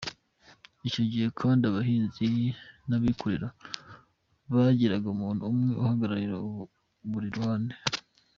Icyi gihe kandi abahinzi n’abikorera bagiraga umuntu umwe uhagararira buri ruhande.